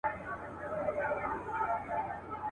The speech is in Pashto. ډېوه به مو په کور کي د رقیب تر سبا نه وي !.